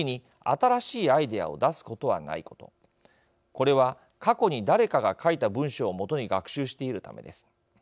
これは過去に誰かが書いた文章をもとに学習しているためです。